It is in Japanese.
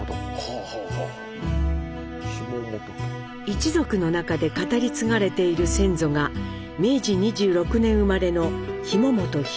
一族の中で語り継がれている先祖が明治２６年生まれの紐本弘。